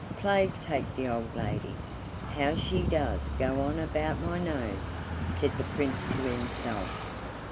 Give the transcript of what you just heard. "Plague take the old lady! How she does go on about my nose!" said the Prince to himself.